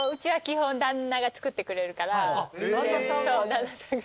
旦那さんが？